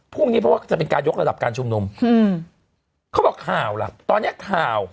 พรุ่งนี้เพราะว่าจะเป็นการยกระดับการชุมนุมอืมเขาบอกข่าวล่ะตอนเนี้ยข่าว